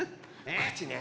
こっちね。